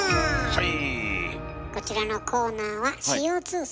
はい！